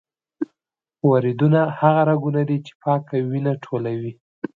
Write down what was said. وریدونه هغه رګونه دي چې پاکه وینه ټولوي.